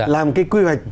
làm cái quy hoạch